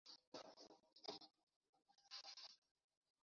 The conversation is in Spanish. Todo ello obligado, tal y como se explica en la carta, por imperativo federativo.